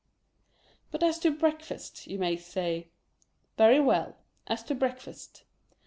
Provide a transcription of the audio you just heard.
But as to breakfast? you may say. — Very well. As to breakfast.